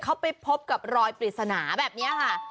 เขาไปพบกับรอยปริศนาแบบนี้ค่ะ